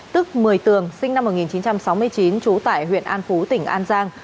tức một mươi tường sinh năm một nghìn chín trăm sáu mươi chín trú tại huyện an phú tỉnh an giang